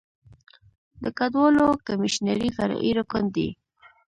د کډوالو کمیشنري فرعي رکن دی.